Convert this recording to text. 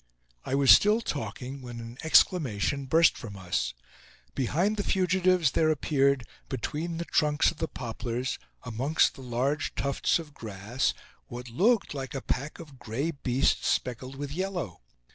I was still talking when an exclamation burst from us. Behind the fugitives there appeared, between the trunks of the poplars, amongst the large tufts of grass, what looked like a pack of gray beasts speckled with yellow.